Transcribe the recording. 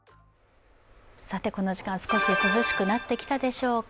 この時間、少し涼しくなってきたでしょうか。